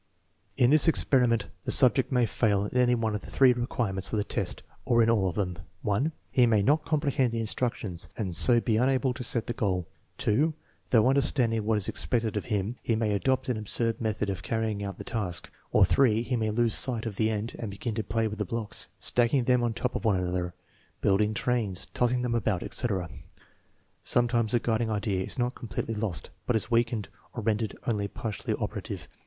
In this experiment the subject may fail in any one of the three requirements of the test or in all of them. (1) He may not comprehend the instructions and so be unable to TEST NO. IX, 2 230 set the goal. ( L 2) Though understanding what is expected of him, he may adopt an absurd method of carrying out the task. Or (3) he may lose sight of the end and begin to play with the blocks, stacking them on top of one another, build ing trains, tossing them about, etc. Sometimes the guid ing idea is not completely lost, but is weakened or rendered only partially operative.